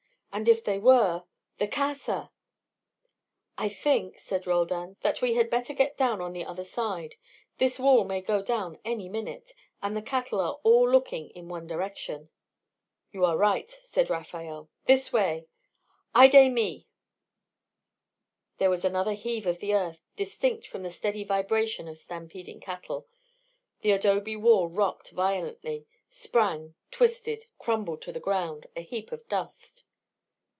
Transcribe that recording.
And if they were the Casa! "I think," said Roldan, "that we had better get down on the other side. This wall may go down any minute; and the cattle are all looking in one direction." "You are right," said Rafael. "This way Ay de mi!" There was another heave of the earth, distinct from the steady vibration of stampeding cattle. The adobe wall rocked violently, sprang, twisted, crumbled to the ground, a heap of dust.